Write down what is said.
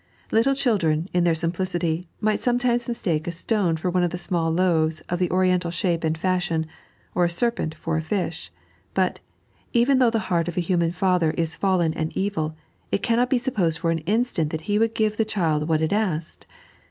Little children, in their simplicity, might sometimes mistake a stone for one of the small loaves of the Oriental shape snd fashion, or a serpent for a fish. But, even though the heart of a human father is fallen and evil, it cannot be supposed for an instant that he would give the child what it asked.